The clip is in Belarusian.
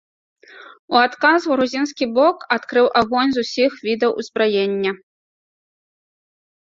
У адказ грузінскі бок адкрыў агонь з усіх відаў узбраення.